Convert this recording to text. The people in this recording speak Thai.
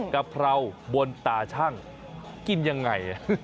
กะเพราบนตาชั่งกินยังไง